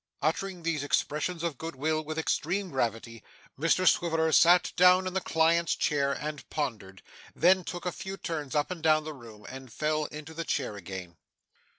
Uttering these expressions of good will with extreme gravity, Mr Swiveller sat down in the client's chair and pondered; then took a few turns up and down the room and fell into the chair again.